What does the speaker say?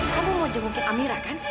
kamu mau jenguki amira kan